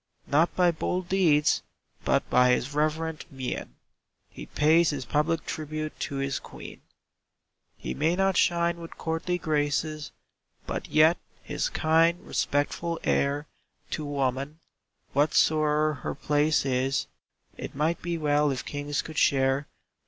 Not by bold deeds, but by his reverent mien, He pays his public tribute to his Queen. He may not shine with courtly graces, But yet, his kind, respectful air To woman, whatsoe'er her place is, It might be well if kings could share.